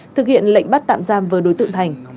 thực hiện lệnh bắt tạm giam với đối tượng thành